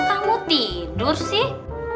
kamu tidur sih